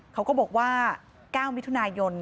เขาก็บอกว่า๙มิถุนายน